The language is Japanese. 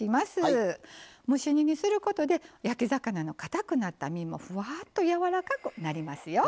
蒸し煮にすることで焼き魚のかたくなった身もふわっとやわらかくなりますよ。